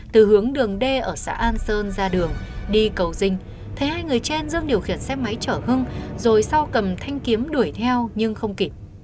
từ hướng đường d ở xã an sơn ra đường đi cầu dinh thấy hai người trên dương điều khiển xe máy chở hưng rồi sau cầm thanh kiếm đuổi theo nhưng không kịp